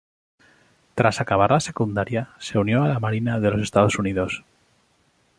Tras acabar la secundaria se unió a la Marina de los Estados Unidos.